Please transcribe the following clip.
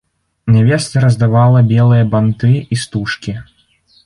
Нявеста раздавала белыя банты і стужкі.